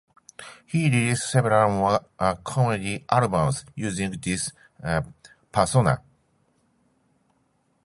He released several more comedy albums using this persona.